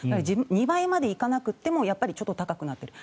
２倍までいかなくてもちょっと高くなっている。